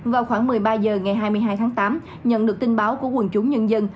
vào khoảng một mươi ba h ngày hai mươi hai tháng tám nhận được tin báo của quần chúng nhân dân